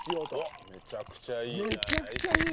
めちゃくちゃいいでしょ。